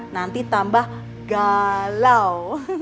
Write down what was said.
nanti tambah galau